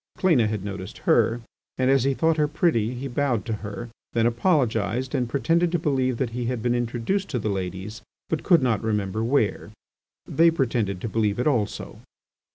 Cléna had noticed her, and, as he thought her pretty, he bowed to her, then apologised and pretended to believe that he had been introduced to the ladies, but could not remember where. They pretended to believe it also.